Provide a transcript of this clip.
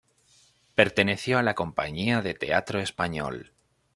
Perteneció a la compañía de Teatro Español.